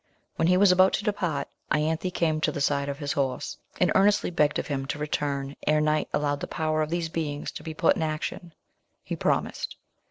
When he was about to depart, Ianthe came to the side of his horse, and earnestly begged of him to return, ere night allowed the power of these beings to be put in action; he promised.